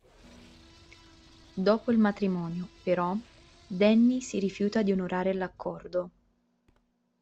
Dopo il matrimonio, però, Danny si rifiuta di onorare l'accordo.